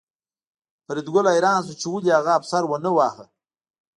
فریدګل حیران شو چې ولې هغه افسر ونه واهه